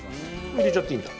入れちゃっていいんだ？